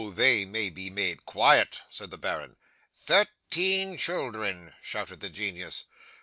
They may be made quiet," said the baron. '"Thirteen children," shouted the genius.